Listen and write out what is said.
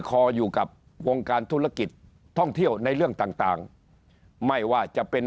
คออยู่กับวงการธุรกิจท่องเที่ยวในเรื่องต่างต่างไม่ว่าจะเป็น